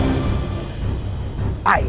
aku akan menerima